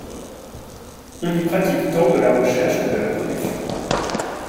On y pratique tant de la recherche que de la production.